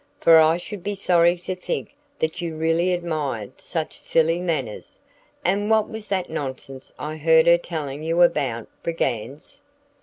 "For I should be sorry to think that you really admired such silly manners. And what was that nonsense I heard her telling you about Brigands?"